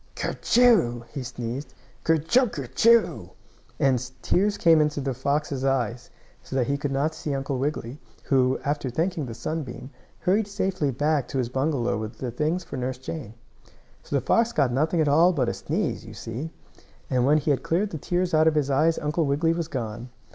"Ker chool!" he sneezed. "Ker chooaker choo!" and tears came into the fox's eyes, so he could not see Uncle Wiggily, who, after thanking the sunbeam, hurried safely back to his bungalow with the things for Nurse Jane. So the fox got nothing at all but a sneeze, you see, and when he had cleared the tears out of his eyes Uncle Wiggily was gone.